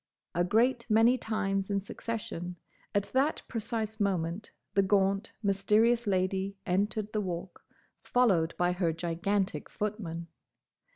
a great many times in succession; at that precise moment the gaunt Mysterious Lady entered the Walk, followed by her gigantic footman.